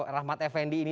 rahmat fnd ini